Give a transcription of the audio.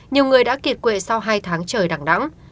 nhiều người đã kiệt quệ sau hai tháng trời đẳng đẳng